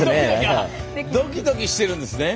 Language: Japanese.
あっドキドキしてるんですね。